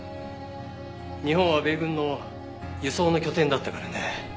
日本は米軍の輸送の拠点だったからね。